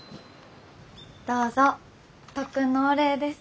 どうぞ特訓のお礼です。